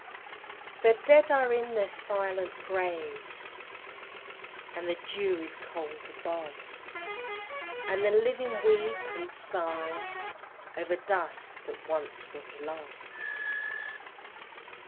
The dead are in their silent graves, And the dew is cold above, And the living weep and sigh, Over dust that once was love.